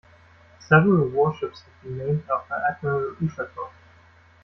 Several warships have been named after Admiral Ushakov.